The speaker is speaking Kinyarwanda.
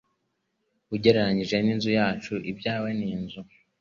Ugereranije n'inzu yacu ibyawe ni inzu